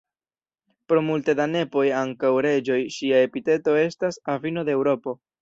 Pro multe da nepoj, ankaŭ reĝoj, ŝia epiteto estas: "Avino de Eŭropo".